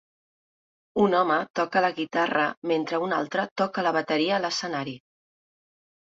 Un home toca la guitarra mentre un altre toca la bateria a l'escenari.